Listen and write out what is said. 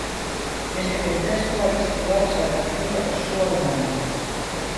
Neste contexto hai que situar a exaltación da persoa humana.